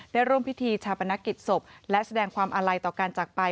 ร่วมพิธีชาปนกิจศพและแสดงความอาลัยต่อการจากไป